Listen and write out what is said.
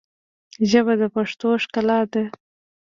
ژبه د پښتو ښکلا ده